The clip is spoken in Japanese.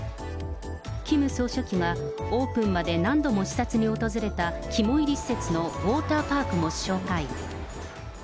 キム総書記がオープンまで何度も視察に訪れた肝いり施設のウォーターパークも紹介。